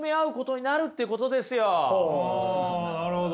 なるほど。